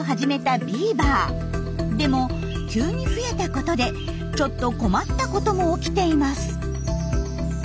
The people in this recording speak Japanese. でも急に増えたことでちょっと困ったことも起きています。